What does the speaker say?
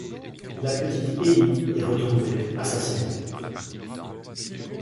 La petite Ellie est retrouvée assassinée.